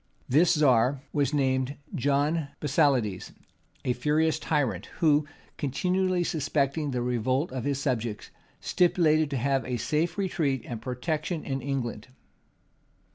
This czar was named John Basilides, a furious tyrant, who, continually suspecting the revolt of his subjects, stipulated to have a safe retreat and protection in England.